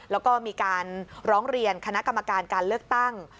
แล้วก็มีการร้องเรียนคณะกรรมการการเลือกตั้ง